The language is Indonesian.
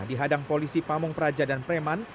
dihadang polisi pamung praja dan preman